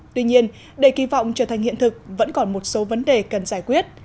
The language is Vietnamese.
tuy nhiên để kỳ vọng trở thành hiện thực vẫn còn một số vấn đề cần giải quyết